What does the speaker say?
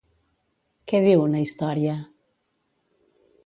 Què diu una història?